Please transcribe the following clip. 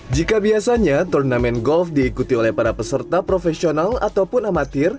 jika biasanya turnamen golf diikuti oleh para peserta profesional ataupun amatir